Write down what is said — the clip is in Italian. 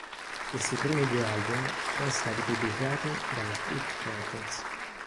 Questi primi due album sono stati pubblicati dalla Peak Records.